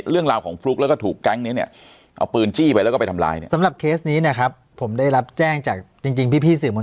เรื่องราวของฟลุกแล้วก็ถูกแก๊งก์นี้เนี้ยเอาปืนชี้ไปแล้วก็ไปทำลายเนี้ย